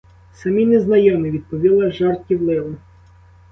Самі незнайомі, — відповіла жартівливо.